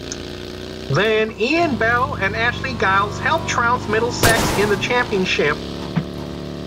Then Ian Bell and Ashley Giles helped trounce Middlesex in the Championship.